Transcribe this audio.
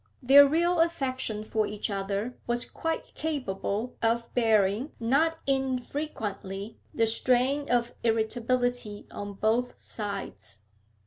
Their real affection for each other was quite capable of bearing not infrequently the strain of irritability on both sides.